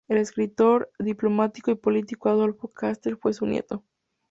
El escritor, diplomático y político Adolfo Castells fue su nieto.